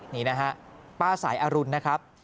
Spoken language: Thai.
นี่นะฮะป้าสายอรุณนะครับ